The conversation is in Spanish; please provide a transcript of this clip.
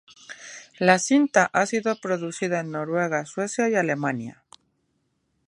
La cinta ha sido coproducida en Noruega, Suecia y Alemania.